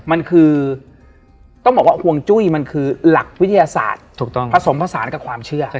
มันคือต้องบอกว่าห่วงจุ้ยมันคือหลักวิทยาศาสตร์ถูกต้องผสมผสานกับความเชื่อ